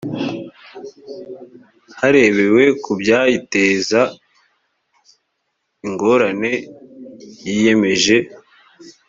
harebewe ku byayiteza ingorane yiyemeje